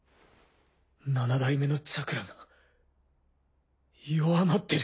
七代目のチャクラが弱まってる。